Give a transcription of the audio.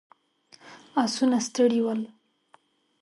آسونه ستړي ول.